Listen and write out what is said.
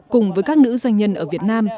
cùng với các nữ doanh nhân ở việt nam